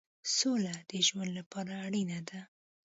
سوله د ژوند لپاره اړینه ده.